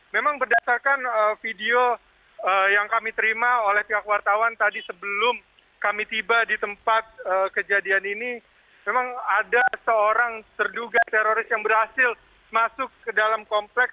memang berdasarkan video yang kami terima oleh pihak wartawan tadi sebelum kami tiba di tempat kejadian ini memang ada seorang terduga teroris yang berhasil masuk ke dalam kompleks